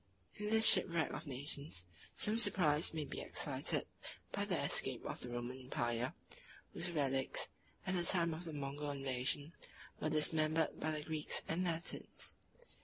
In this shipwreck of nations, some surprise may be excited by the escape of the Roman empire, whose relics, at the time of the Mogul invasion, were dismembered by the Greeks and Latins.